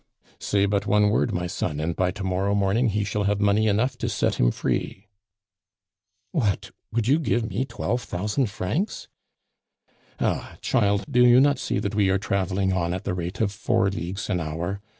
"Say but one word, my son, and by to morrow morning he shall have money enough to set him free." "What! Would you give me twelve thousand francs?" "Ah! child, do you not see that we are traveling on at the rate of four leagues an hour?